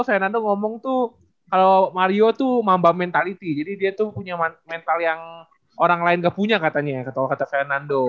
fernando ngomong tuh kalo mario tuh mambang mentaliti jadi dia tuh punya mental yang orang lain gak punya katanya kata fernando